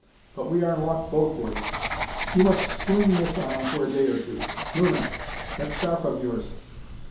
But we are in luck both ways. You must sling this arm for a day or two. Luna! that scarf of yours."